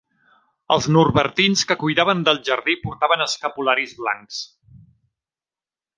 Els norbertins que cuidaven del jardí portaven escapularis blancs.